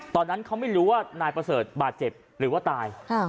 ตอนนั้นเขาไม่รู้ว่านายประเสริฐบาดเจ็บหรือว่าตาย